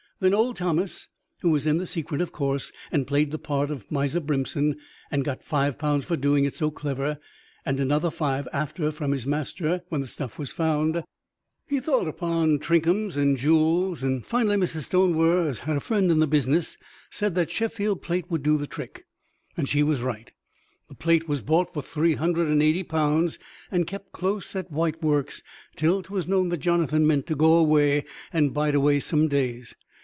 Then old Thomas, who was in the secret, of course, and played the part of Miser Brimpson, and got five pounds for doing it so clever, and another five after from his master, when the stuff was found he thought upon trinkums and jewels; and finally Mrs. Stonewer, as had a friend in the business, said that Sheffield plate would do the trick. And she was right. The plate was bought for three hundred and eighty pound, and kept close at White Works till 'twas known that Jonathan meant to go away and bide away some days.